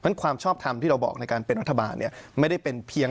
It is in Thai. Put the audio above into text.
ในการเป็นรัฐบาลเนี่ยไม่ได้เป็นเพียง